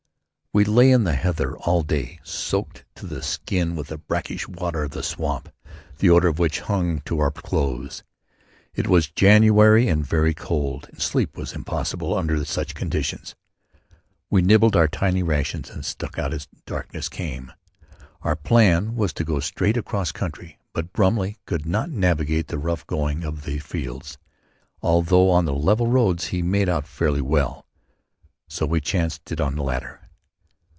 We lay in the heather all day, soaked to the skin with the brackish water of the swamp, the odor of which still hung to our clothes. It was January and very cold and sleep was impossible under such conditions. We nibbled our tiny rations and struck out as soon as darkness came. Our plan was to go straight across country, but Brumley could not navigate the rough going of the fields; although on the level roads he made out fairly well. So we chanced it on the latter.